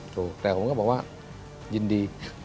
ถูกแต่ผมก็บอกว่ายินดี